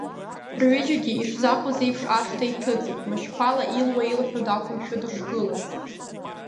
Рҩыџьагьы ишзахәоз еиԥш ашҭа иҭыҵит, Машьқәала илуа-илҳәо дақәымшәо дышгылаз.